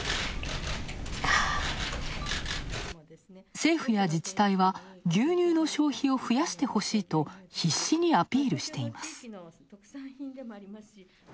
政府や自治体は、牛乳の消費を増やしてほしいと必死にアピールしています。